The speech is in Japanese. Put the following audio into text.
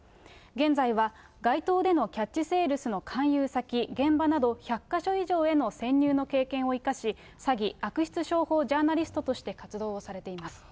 現在は街頭でのキャッチセールスの勧誘先、現場など、１００か所以上への潜入の経験を生かし、詐欺、悪質商法ジャーナリストとして活動をされています。